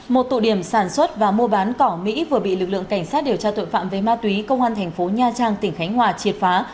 một tụ điểm sản xuất và mua bán cỏ mỹ vừa bị lực lượng cảnh sát điều tra tội phạm về ma túy công an thành phố nha trang tỉnh khánh hòa triệt phá